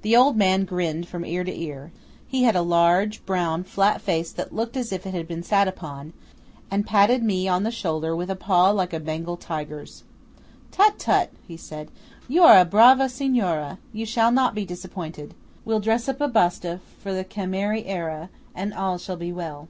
The old man grinned from ear to ear–he had a large, brown, flat face that looked as if it had been sat upon–and patted me on the shoulder with a paw like a Bengal tiger's. "Tut! tut!" he said, "you are a brava Signora–you shall not be disappointed. We'll dress up a Basta for the cameriera, and all shall be well!"